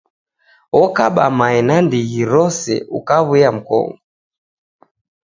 Okaba mae na ndighi rose ukawuia mkongo